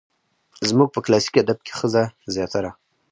زموږ په کلاسيک ادب کې ښځه زياتره